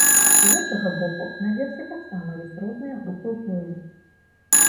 З іншага боку, наверсе таксама ёсць розныя групы ўплыву.